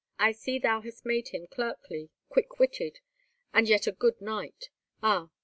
I see thou hast made him clerkly, quick witted, and yet a good knight. Ah!